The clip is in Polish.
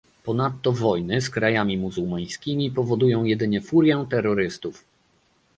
Ponadto wojny z krajami muzułmańskimi powodują jedynie furię terrorystów